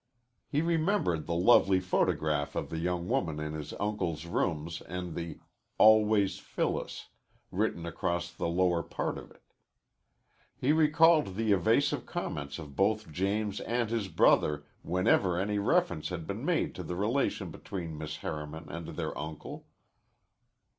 He remembered the lovely photograph of the young woman in his uncle's rooms and the "Always, Phyllis" written across the lower part of it. He recalled the evasive comments of both James and his brother whenever any reference had been made to the relation between Miss Harriman and their uncle.